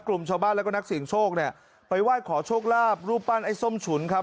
กลุ่มชาวบ้านแล้วก็นักเสียงโชคเนี่ยไปไหว้ขอโชคลาภรูปปั้นไอ้ส้มฉุนครับ